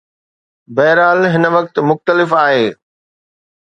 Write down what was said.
بهرحال، هن وقت مختلف آهي.